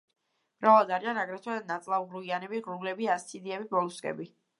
მრავლად არიან აგრეთვე ნაწლავღრუიანები, ღრუბლები, ასციდიები, მოლუსკები.